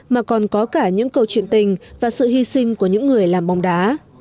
mà còn có cả những câu chuyện tình và sự hy sinh của những người làm bóng đá